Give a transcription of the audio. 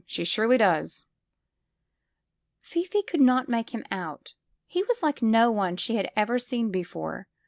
She surely does !'' Fifi could not make him out. He was like no one she had ever seen before.